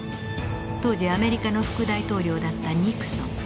当時アメリカの副大統領だったニクソン。